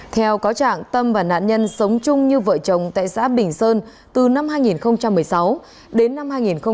theo có trạng tâm và nạn nhân sống chung như vợ chồng tại xã bình sơn từ năm hai nghìn một mươi sáu đến năm hai nghìn một mươi bảy